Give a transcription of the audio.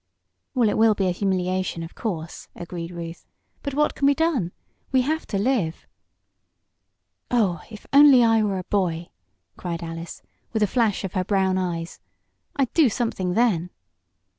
"Well, it will be a humiliation, of course," agreed Ruth. "But what can be done? We have to live." "Oh, if only I were a boy!" cried Alice, with a flash of her brown eyes. "I'd do something then!"